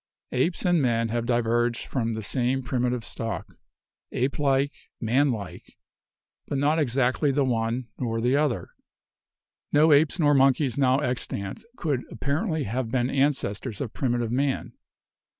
Apes and men have diverged from the same primitive stock — apelike, manlike, but not exactly the one nor the other. No apes nor monkeys now extant could apparently have been ancestors of primitive man.